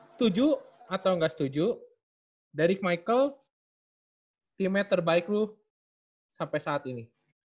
setuju atau nggak setuju derrick michael timnya terbaik lu sampai saat ini